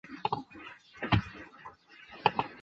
玛丽同哈布斯堡王朝的马克西米利安公爵开始。